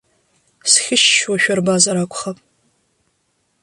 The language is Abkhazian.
Схьышьшьуашәа рбазар акәхап.